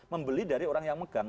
membeli dari orang yang megang